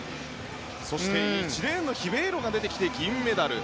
そして、１レーンのヒベイロが出てきて銀メダル。